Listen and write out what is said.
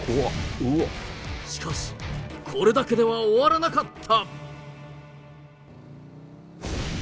しかし、これだけでは終わらなかった。